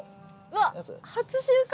わっ初収穫！